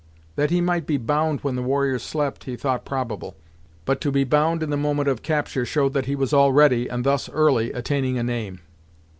That he might be bound when the warriors slept he thought probable, but to be bound in the moment of capture showed that he was already, and thus early, attaining a name.